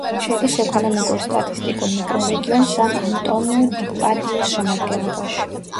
შედის ეკონომიკურ-სტატისტიკურ მიკრორეგიონ სან-ანტონიუ-დი-პადუის შემადგენლობაში.